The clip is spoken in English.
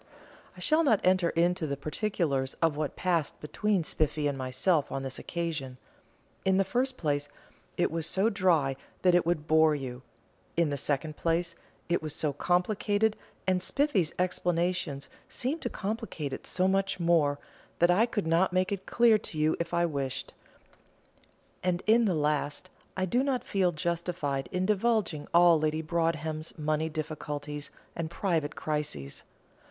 I shall not enter into the particulars of what passed between Spiffy and myself on this occasion. In the first place, it is so dry that it would bore you; in the second place, it was so complicated, and Spiffy's explanations seemed to complicate it so much the more, that I could not make it clear to you if I wished; and, in the last, I do not feel justified in divulging all Lady Broadhem's money difficulties and private crises.